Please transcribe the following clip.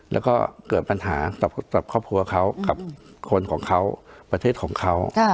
แล้วก็เกิดปัญหากับครอบครัวเขากับคนของเขาประเทศของเขา